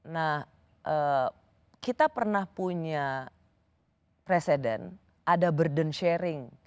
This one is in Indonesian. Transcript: nah kita pernah punya presiden ada burden sharing